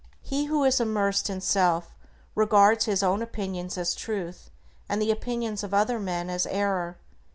He who is immersed in self regards his own opinions as Truth, and the opinions of other men as error.